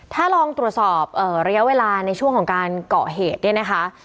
ถ้าลองตรวจสอบระยะเวลาในช่วงของการเกาะเหตุเนี่ยนะคะ